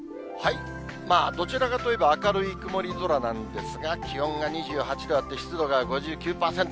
どちらかといえば、明るい曇り空なんですが、気温が２８度あって、湿度が５９％。